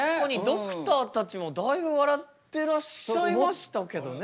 ドクターたちもだいぶ笑ってらっしゃいましたけどね。